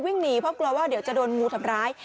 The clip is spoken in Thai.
หนีเพราะกลัวว่าเดี๋ยวจะโดนงูทำร้าย